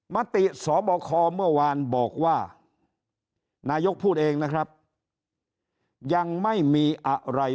มติสบคเมื่อวานบอกว่านายกพูดเองนะครับยังไม่มีอะไร